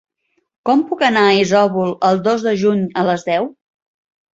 Com puc anar a Isòvol el dos de juny a les deu?